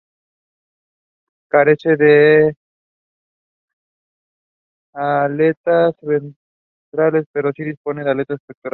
Carece de aletas ventrales pero sí dispone de aletas pectorales.